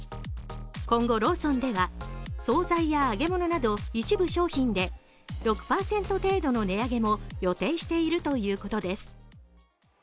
今後、ローソンでは総菜や揚げ物など一部商品で６％程度の値上げも予定しているということです。